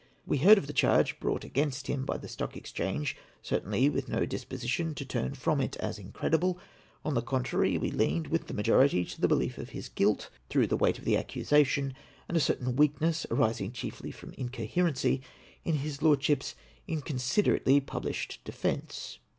We heard of the charge brought against him by the Stock Exchange certainly with no disposition to turn from it as incredible ; on the contrary, we leaned, Avith the majority, to a belief of his guilt, through the weight of the accusation, and a certain weakness, arising chiefly from incoherenc3\ in his Lordshi]~/s inconsiderately published defence.